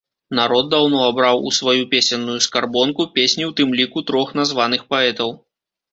Народ даўно абраў у сваю песенную скарбонку песні ў тым ліку трох названых паэтаў.